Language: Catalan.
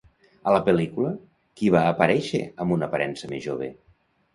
A la pel·lícula, qui va aparèixer amb una aparença més jove?